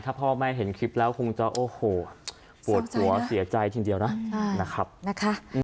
ถ้าพ่อแม่เห็นคลิปแล้วคงจะโอ้โหปวดหัวเสียใจทีเดียวนะนะครับ